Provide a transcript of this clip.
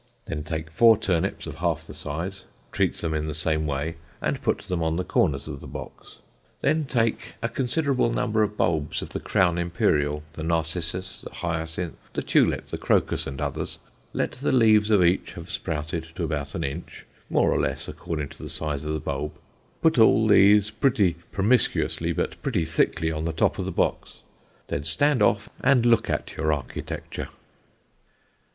Then take four turnips of half the size, treat them in the same way, and put them on the corners of the box. Then take a considerable number of bulbs of the crown imperial, the narcissus, the hyacinth, the tulip, the crocus, and others; let the leaves of each have sprouted to about an inch, more or less according to the size of the bulb; put all these, pretty promiscuously, but pretty thickly, on the top of the box. Then stand off and look at your architecture."